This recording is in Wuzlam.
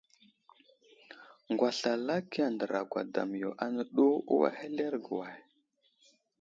Ŋgwaslalaki andra gwadam yo áne ɗu, uway ahelerge way ?